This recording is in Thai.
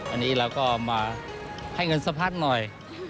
อันนี้เราก็มาให้เงินสักพักหน่อย